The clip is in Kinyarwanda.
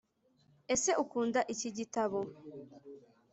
ese ukunda ikigitabo?